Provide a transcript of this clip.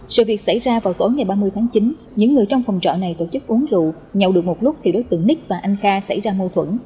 sự việc xảy ra vào tối ngày ba mươi tháng chín những người trong phòng trọ này tổ chức uống rượu nhậu được một lúc thì đối tượng ních và anh kha xảy ra mâu thuẫn